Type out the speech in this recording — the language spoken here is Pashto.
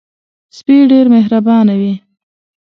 سپي ډېر مهربانه وي.